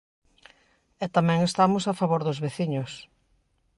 E tamén estamos a favor dos veciños.